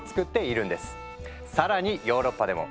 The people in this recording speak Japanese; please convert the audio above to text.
ヨーロッパでも。